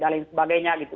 dan lain sebagainya gitu